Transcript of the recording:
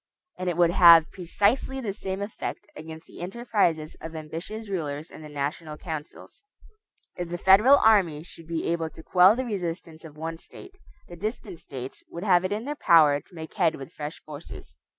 And it would have precisely the same effect against the enterprises of ambitious rulers in the national councils. If the federal army should be able to quell the resistance of one State, the distant States would have it in their power to make head with fresh forces.